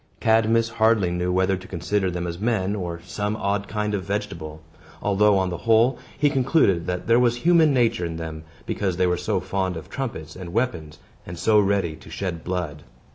Cadmus hardly knew whether to consider them as men, or some odd kind of vegetable; although, on the whole, he concluded that there was human nature in them, because they were so fond of trumpets and weapons, and so ready to shed blood.